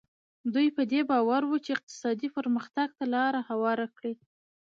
دوی په دې باور وو چې اقتصادي پرمختګ ته لار هواره کړي.